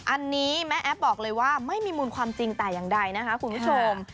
อันนี้แม่แอฟบอกเลยว่าไม่มีมูลความจริงแต่อย่างใดนะคะคุณผู้ชม